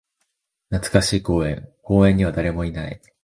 懐かしい公園。公園には誰もいない。